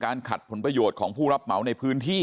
ขัดผลประโยชน์ของผู้รับเหมาในพื้นที่